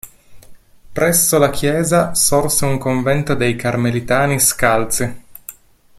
Presso la chiesa sorse un convento dei Carmelitani Scalzi.